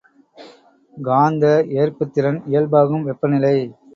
காந்த ஏற்புத்திறன் இயல்பாகும் வெப்பநிலை.